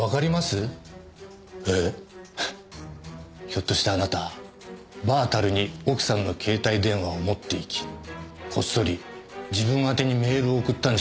ひょっとしてあなたバー樽に奥さんの携帯電話を持っていきこっそり自分あてにメールを送ったんじゃないですか？